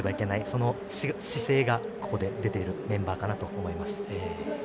その姿勢がここで出ているメンバーかなと思います。